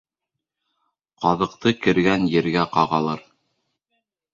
Ҡаҙыҡты кергән ергә ҡағалар.